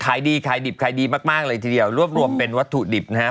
ขายดีขายดิบขายดีมากมากเลยทีเดียวรวบรวมเป็นวัตถุดิบนะฮะ